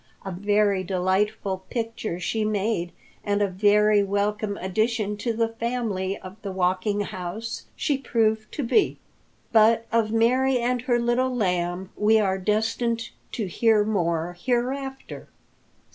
A very delightful picture she made, and a very welcome addition to the family of the Walking House she proved to be. But of Mary and her Little Lamb we are destined to hear more hereafter.